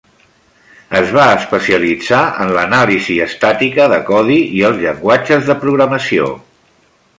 Es va especialitzar en l'anàlisi estàtica de codi i els llenguatges de programació.